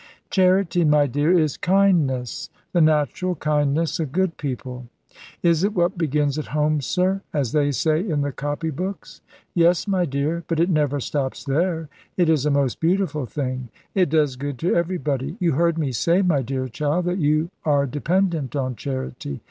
"Charity, my dear, is kindness; the natural kindness of good people." "Is it what begins at home, sir; as they say in the copy books?" "Yes, my dear; but it never stops there. It is a most beautiful thing. It does good to everybody. You heard me say, my dear child, that you are dependent on charity.